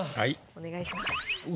お願いします。